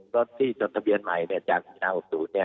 รถที่จดทะเบียนใหม่จากมีนาว๖๐